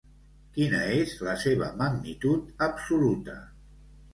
Quina és la seva magnitud absoluta?